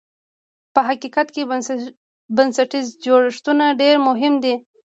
په حقیقت کې بنسټیز جوړښتونه ډېر مهم دي.